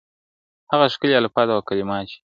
• هغه ښکلي الفاظ او کلمات چي -